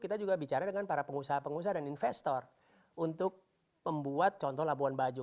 kita juga bicara dengan para pengusaha pengusaha dan investor untuk membuat contoh labuan bajo